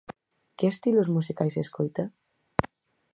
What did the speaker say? Que estilos musicais escoita?